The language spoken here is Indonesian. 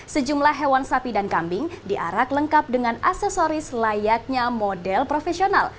sejumlah hewan sapi dan kambing diarak lengkap dengan aksesoris layaknya model profesional